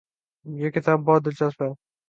یہ کتاب بہت دلچسپ ہے